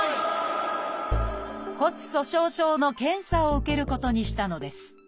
骨粗しょう症の検査を受けることにしたのです。